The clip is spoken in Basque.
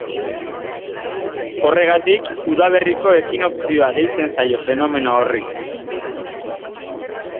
Horregatik, udaberriko ekinokzioa deitzen zaio fenomeno horri.